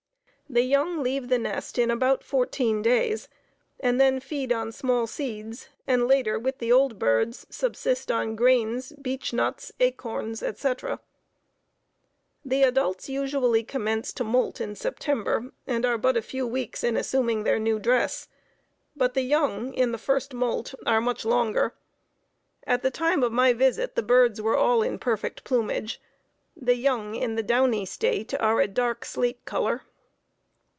The young leave the nest in about fourteen days, and then feed on small seeds, and later, with the old birds, subsist on grains, beech nuts, acorns, etc. The adults usually commence to molt in September and are but a few weeks in assuming their new dress, but the young in the first molt are much longer. At the time of my visit the birds were all in perfect plumage. The young in the downy state are a dark slate color.